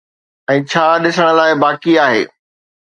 ۽ ڇا ڏسڻ لاءِ باقي آهي